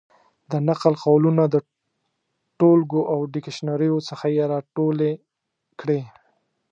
د نقل قولونو د ټولګو او ډکشنریو څخه یې را ټولې کړې.